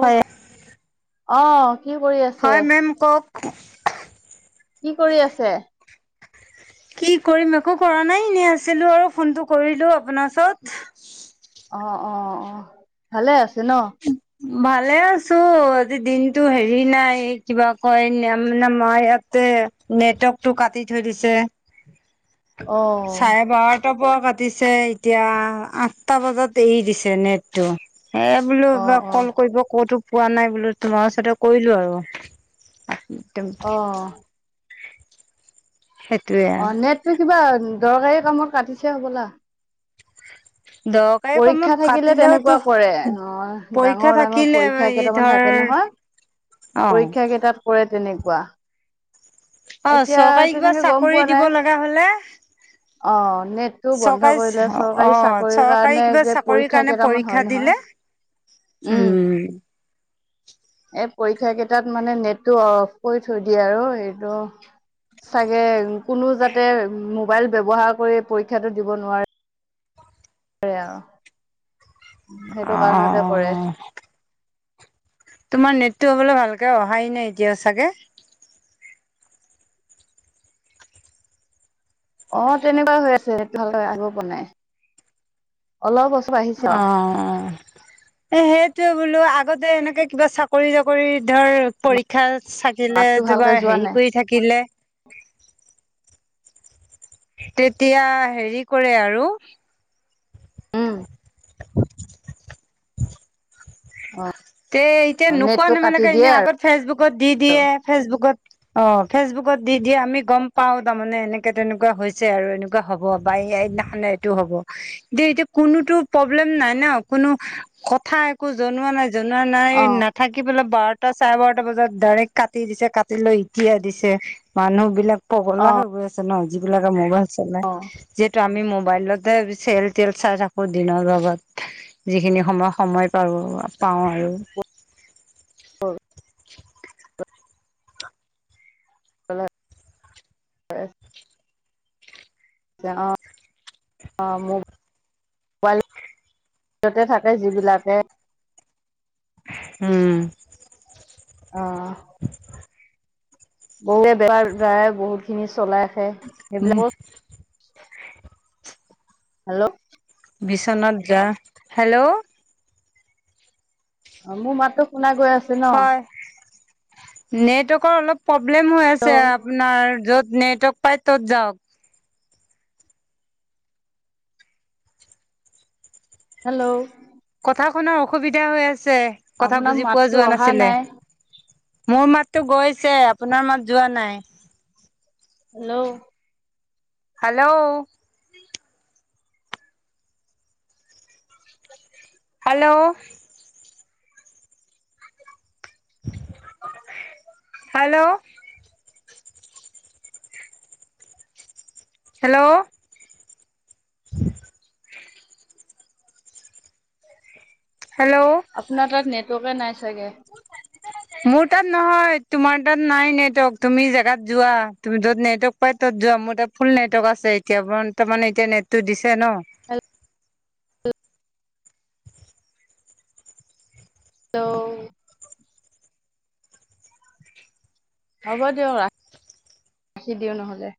হয়। অঁ। হয় মেম কওক। কি কৰি আছে? কি কৰিম একো কৰা নাই, এনেই আছিলো আৰু ফোনটো কৰিলো আপোনাৰ ওচৰত। অ অ অ ভালে আছে ন উম ভালে আছো আজি দিনটো হেৰি নাই কিবা কয় নাম নামা ইয়াতে নেটৱৰ্ক টো কাটি থৈ দিছে অ', চাৰে বাৰ টা পৰা কাটিছে এতিয়া আঠটা বজাত এৰি দিছে নেটটো বোলো এ অ', কল অ', কৰিব ক'তো পোৱা নাই বোলো তোমাৰ ওচতে কৰিলো আৰু অ সেইটোয়ে অ নেটটো কিবা দৰকাৰী কামত কাটিছে হ'বলা দক পৰীক্ষা থাকিলে তেনেকুৱা কৰে অ পৰীক্ষা ডাঙৰ ডাঙৰ থাকিলে পৰীক্ষা এই কেইটামান ধৰ থাকে নহয় অ' পৰীক্ষা কেইটাত কৰে তেনেকুৱা অ এতিয়া চৰকাৰী কিবা তেনেকে গম চাকৰি পোৱা দিব নাই। লগা হলে অ', নেটটো বন্ধ চৰকাৰী কৰিলে অ চৰকাৰী চাকৰিৰ চৰকাৰী কাৰণে কিবা যে চাকৰি পৰীক্ষা কাৰণে কেইটামান হয় পৰীক্ষা নহয়। দিলে উম এই পৰীক্ষা কেইটাত মানে নেটটো অফ কৰি থৈ দিয়ে আৰু এইটো চাগে কোনো যাতে মোবাইল ব্যৱহাৰ কৰি পৰীক্ষাটো দিব নোৱাৰে নোৱাৰে আও সেইটো কাৰণতে কৰে অ তোমাৰ নেটটো হ'বলা ভালকে অহাই নাই এতিয়া চাগে অ তেনেকুৱা হৈ আছে নেট ভালকৈ আহিব পৰা নাই অলপ ওচ আহি অ অ এ সেইটোৱে বোলো আগতে এনেকে কিবা চাকৰি জাকৰি ধৰ পৰীক্ষা থাকিলে মাততো ভালকে তোমাৰ যোৱা হেৰি নাই কৰি থাকিলে তেতিয়া হেৰি কৰে আৰু উম অ তে এতিয়া নোকোৱা নেটটো কাটি নেমলাকে দিয়ে এনেই আৰু আগত ফেচবুকত দি অ দিয়ে ফেচবুকত অ ফেচবুকত দি দিয়ে আমি গম পাওঁ তাৰমানে এনেকে তেনেকুৱা হৈছে আৰু এনে কোৱা হ'ব বা এইদিনাখনে এইটো হ'ব দে এতিয়া কোনোতো প্ৰব্লেম নাই ন কোনো কথা একো জনোৱা নাই জনোৱা নাই না থাকি পেলাই বাৰটা চাৰে বাৰটা বজাত ডাইৰেক্ট কাটি দিছে কাটি লৈ এতিয়া দিছে মানুহ বিলাক অ পগলা হৈ গৈ আছে ন যিবিলাকে মোবাইল অ অ চলাই যিহেতু আমি মোবাইলতে চেল তেল চাই থাকো দিনৰ ভাগত যিখিনি সময় সময় পাৰো পাওঁ আৰু ও [unintelligible] হলে এতিয়া অ, অ মো মোবাইলতে থাকে যিবিলাকে উম অ [inaudible] বহুৱে বেপাৰ দ্বাৰাই বহুত খিনি চলাই আছে উম, সেইবিলাকো হেল্ল' বিছনত যা হেল্ল' অ মোৰ মাতো শুনা গৈ আছ হয়, নেটৱৰ্কৰ অলপ প্ৰব্লেম হৈ আপ হেল্ল' আপোনাৰ য'ত নেটৱৰ্ক পাই ত'ত যাওক। হেল্ল' কথা শুনাৰ অসুবিধা হৈ আছে কথা আপোনাৰ বুজি পোৱা মাততো যোৱা অহা নাছিলে নাই মোৰ মাততো গৈছে আপোনাৰ মাত যোৱা নাই। Hello hello hello hello hello hello আপোনাৰ তাত নেটৱৰ্কে নাই চাগে। [inaudible] মোৰ তাত নহয় তোমাৰ তাত নাই নেটৱৰ্ক তুমি জোগাত যোৱা তুমি য'ত নেটৱৰ্ক তাত যোৱা মোৰ তাত ফুল নেটৱৰ্ক আছে এতিয়া তাৰ মানে এতিয়া নেটটো দিছে ন' হেল্ল হেল্ল হ'ব দিয়ক ৰাখি দিওঁ নহলে।